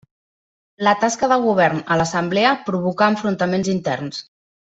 La tasca de govern a l'Assemblea provocà enfrontaments interns.